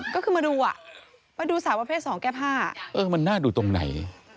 ก็คือมาดูสาวประเภท๒แก้ผ้าเออมันน่าดูตรงไหน